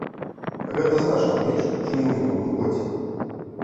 Гэта значна менш, чым у мінулым годзе.